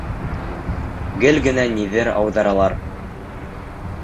Гел генә ниҙер ауҙаралар.